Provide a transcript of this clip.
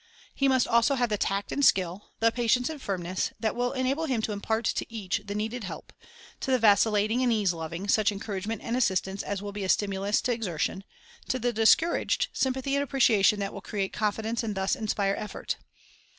He must have also the tact and skill, the patience and firmness, that will enable him to impart to each the needed help, — to the vacillating and ease loving, such encouragement and assistance as will be a stimulus to exertion ; to the discouraged, sympathy and appreciation that will create confidence and thus inspire effort.